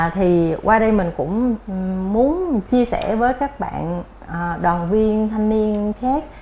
thì qua đây mình cũng muốn chia sẻ với các bạn đoàn viên thanh niên khác